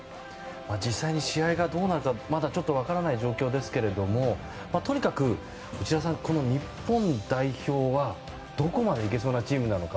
実際に試合がどうなるかまだちょっと分からない状況ですけれども、とにかく内田さん、この日本代表はどこまでいけそうなチームなのか。